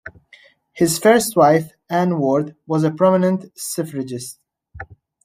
His first wife, Anne Ward, was a prominent suffragist.